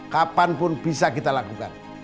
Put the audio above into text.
kapanpun bisa kita lakukan